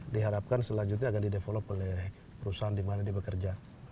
diharapkan selanjutnya akan di develop oleh perusahaan dimana di bekerja